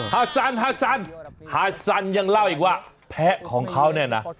ฮาซันฮาซันฮาซันยังเล่าอีกว่าแพ้ของเขาเนี่ยนะ